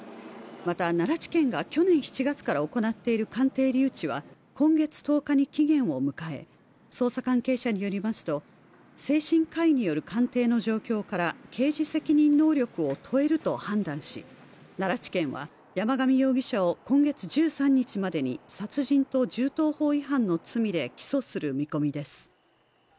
また、なら地検が去年７月から行っている鑑定留置は、今月１０日に期限を迎え、捜査関係者によりますと精神科医による鑑定の状況から刑事責任能力を問えると判断し奈良地検は山上容疑者を今月１３日までに殺人と銃刀法違反の罪で起訴する見込みです。